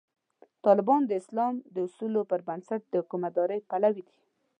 طالبان د اسلام د اصولو پر بنسټ د حکومتدارۍ پلوي دي.